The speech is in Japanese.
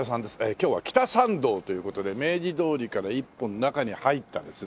今日は北参道という事で明治通りから一本中に入ったですね